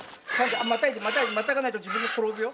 またいで、またがないと自分が転ぶよ。